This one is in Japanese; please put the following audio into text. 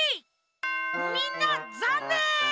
みんなざんねん！